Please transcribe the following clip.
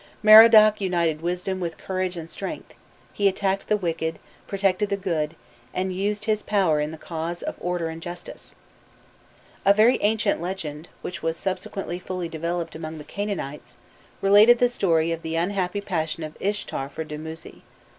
Merodach united wisdom with courage and strength: he attacked the wicked, protected the good, and used his power in the cause of order and justice. A very ancient legend, which was subsequently fully developed among the Canaanites, related the story of the unhappy passion of Ishtar for Dumuzi.